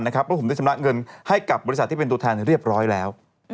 เพราะผมได้ชำระเงินให้กับบริษัทที่เป็นตัวแทนเรียบร้อยแล้ว